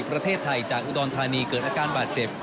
ประเทศไทยจากอุดรธานีเกิดอาการบาดเจ็บ